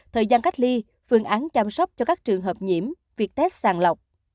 thời gian cách ly phương án chăm sóc cho các trường hợp nhiễm việc test sàng lọc